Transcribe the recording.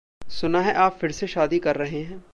सुना है आप फिर से शादी कर रहे हैं।